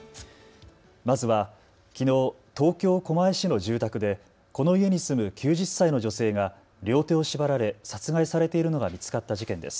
まずはきのう東京狛江市の住宅でこの家に住む９０歳の女性が両手を縛られ殺害されているのが見つかった事件です。